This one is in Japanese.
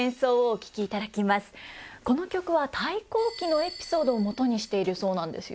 この曲は「太閤記」のエピソードをもとにしているそうなんですよ。